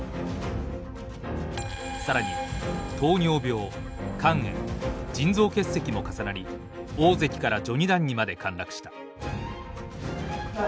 更に糖尿病肝炎腎臓結石も重なり大関から序二段にまで陥落した。